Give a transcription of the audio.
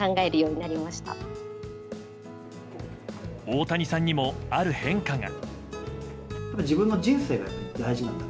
大谷さんにもある変化が。